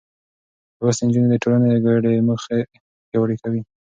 لوستې نجونې د ټولنې ګډې موخې پياوړې کوي.